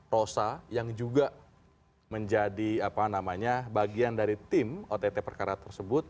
rosa yang juga menjadi bagian dari tim ott perkara tersebut